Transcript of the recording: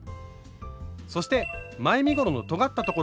そして前身ごろのとがったところ。